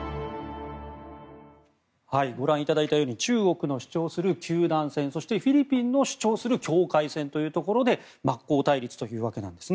ご覧いただいたように中国の主張する九段線そしてフィリピンの主張する境界線というところで真っ向対立というわけです。